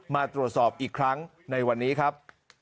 มาตรวจสอบอีกครั้งในวันนี้ครับ